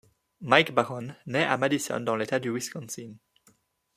Mike Baron, naît à Madison dans l'État du Wisconsin.